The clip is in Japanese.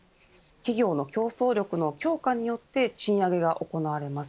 企業の競争力の強化によって賃上げが行われます。